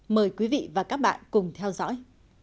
mời quý vị và các bạn cùng theo dõi